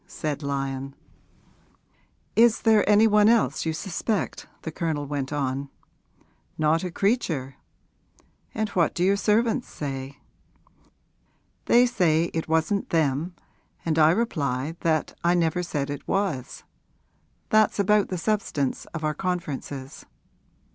said Lyon. 'Is there any one else you suspect?' the Colonel went on. 'Not a creature.' 'And what do your servants say?' 'They say it wasn't them, and I reply that I never said it was. That's about the substance of our conferences.'